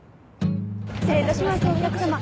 失礼いたしますお客さま。